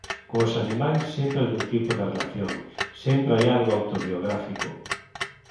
Cos animais sempre algún tipo de relación, sempre hai algo autobiográfico.